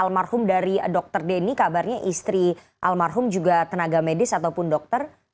almarhum dari dr denny kabarnya istri almarhum juga tenaga medis ataupun dokter